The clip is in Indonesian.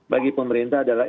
bagi pemerintah adalah